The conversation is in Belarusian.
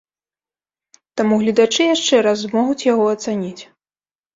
Таму гледачы яшчэ раз змогуць яго ацаніць.